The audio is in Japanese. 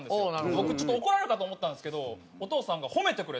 僕ちょっと怒られるかと思ったんですけどお父さんが褒めてくれて。